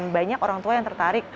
banyak orang tua yang tertarik